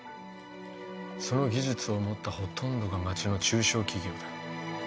その技術を持ったほとんどが町の中小企業だ。